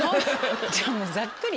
じゃあもうざっくり。